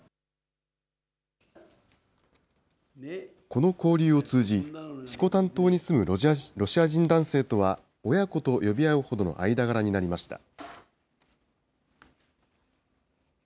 この交流を通じ、色丹島に住むロシア人男性とは、親子と呼び合うほどの間柄になりました。